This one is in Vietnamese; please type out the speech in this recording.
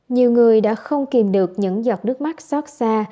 nhiều người đã không kìm được những giọt nước mắt xót xa